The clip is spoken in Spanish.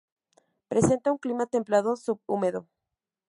Presenta un clima templado subhúmedo.